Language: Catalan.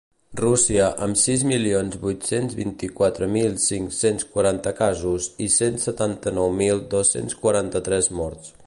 Rússia, amb sis milions vuit-cents vint-i-quatre mil cinc-cents quaranta casos i cent setanta-nou mil dos-cents quaranta-tres morts.